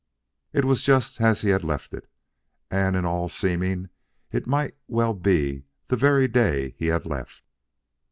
It was just as he had left it, and in all seeming it might well be the very day he had left.